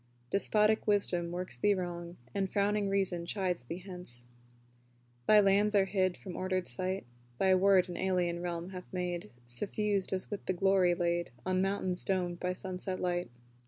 Despotic Wisdom works thee wrong And frowning Reason chides thee hence, Thy lands are hid from ordered sight: Thy word an alien realm hath made, Suffused as with the glory laid On mountains domed by sunset light.